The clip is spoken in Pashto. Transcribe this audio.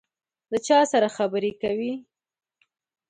د چا سره خبري کوې ؟